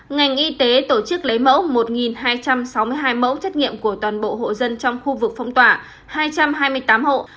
ngành y tế tổ chức lấy mẫu một hai trăm sáu mươi hai mẫu xét nghiệm của toàn bộ hộ dân trong khu vực phong tỏa hai trăm hai mươi tám hộ